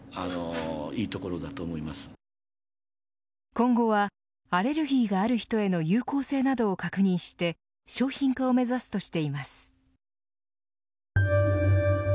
今後はアレルギーがある人への有効性など確認して商品化を目指すとしています。